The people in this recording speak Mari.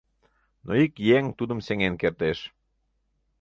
Но ик еҥ тудым сеҥен кертеш.